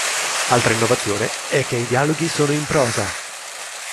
Altra innovazione è che i dialoghi sono in prosa.